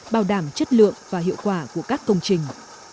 bảo đảm chất lượng và hiệu quả của các công trình